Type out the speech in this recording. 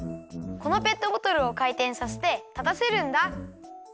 このペットボトルをかいてんさせてたたせるんだ！